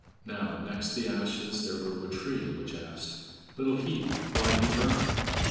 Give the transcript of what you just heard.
Now, next the ashes there grew a tree, which asked: "Little heap, why do you burn?"